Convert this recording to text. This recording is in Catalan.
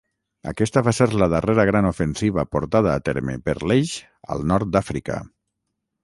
Aquesta va ser la darrera gran ofensiva portada a terme per l'Eix al nord d'Àfrica.